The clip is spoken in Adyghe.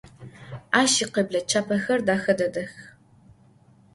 Aş yikhıble çapexer dexe dedex.